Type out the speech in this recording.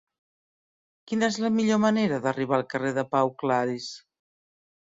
Quina és la millor manera d'arribar al carrer de Pau Claris?